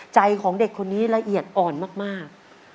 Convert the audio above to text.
ใจของเด็กคนนี้ละเอียดอ่อนมาก